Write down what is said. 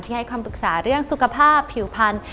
ให้คำปรึกษาเรื่องสุขภาพผิวพันธุ